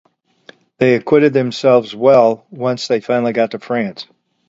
They acquitted themselves well once they finally got to France.